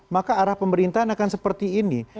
maka arah pemerintahan akan seperti ini